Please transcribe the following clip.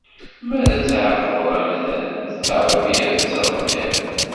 Mi ara tɛaqbeḍ amdan, d tterbiya i t-tettṛebbiḍ.